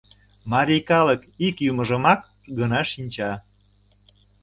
Марий калык ик юмыжымак гына шинча.